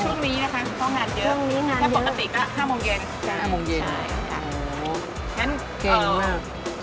ช่วงนี้นะคะฟังงานเยอะแค่ปกติก็๕โมงเย็นใช่ค่ะอ๋อแค่นี้แม่ง